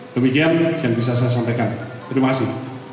demikian yang bisa saya sampaikan terima kasih